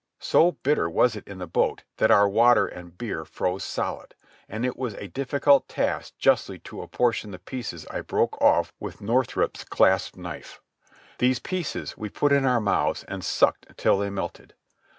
So bitter was it in the boat that our water and beer froze solid, and it was a difficult task justly to apportion the pieces I broke off with Northrup's claspknife. These pieces we put in our mouths and sucked till they melted.